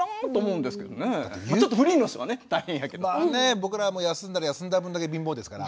僕らは休んだら休んだ分だけ貧乏ですから。